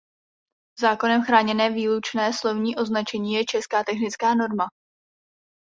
Zákonem chráněné výlučné slovní označení je česká technická norma.